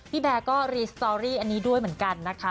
แบร์ก็รีสตอรี่อันนี้ด้วยเหมือนกันนะคะ